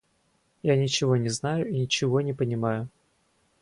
Я ничего не знаю и ничего не понимаю.